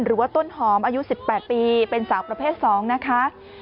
หรือว่าต้นหอมอายุ๑๘ปีเป็นสาวประเภท๒นะคะ